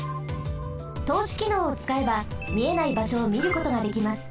とうしきのうをつかえばみえないばしょをみることができます。